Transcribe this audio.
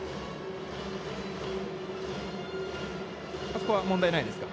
そこは問題ないですか。